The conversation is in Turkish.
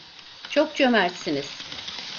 Çok cömertsiniz.